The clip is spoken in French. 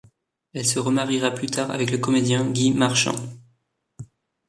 Elle se remariera plus tard avec le comédien Guy Marchand.